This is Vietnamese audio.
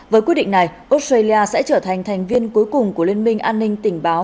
với quyết định này australia sẽ trở thành thành viên cuối cùng của liên minh an ninh tình báo